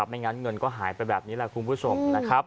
ไม่งั้นเงินก็หายไปแบบนี้คุณผู้ส่ง